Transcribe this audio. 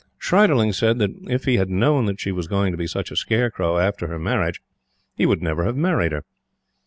Schreiderling said that if he had known that she was going to be such a scare crow after her marriage, he would never have married her.